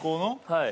◆はい。